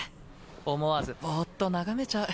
思わずボーッと眺めちゃう。